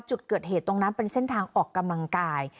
จุดเกิดเหตุตรงนั้นเป็นเส้นทางออกกำลังกาย